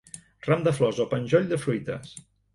Ram de flors o penjoll de fruites.